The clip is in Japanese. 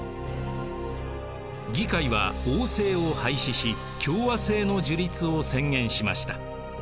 議会は王政を廃止し共和政の樹立を宣言しました。